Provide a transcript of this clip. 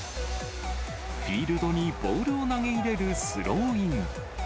フィールドにボールを投げ入れるスローイン。